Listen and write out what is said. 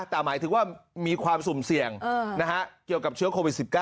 แต่หมายถึงว่ามีความสุ่มเสี่ยงเกี่ยวกับเชื้อโควิด๑๙